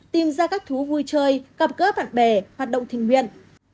tìm ra các thú vui chơi gặp gỡ bạn bè hoạt động tình nguyện